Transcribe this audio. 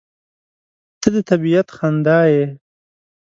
• ته د طبیعت خندا یې.